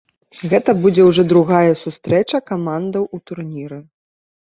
Гэта будзе ўжо другая сустрэча камандаў у турніры.